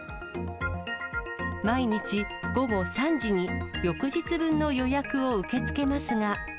毎日午後３時に、翌日分の予約を受け付けますが。